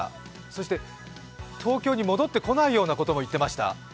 そして東京に戻ってこないようなことも言ってました。